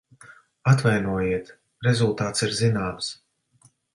Atvainojiet, rezultāts ir zināms.